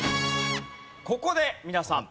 ここで皆さん。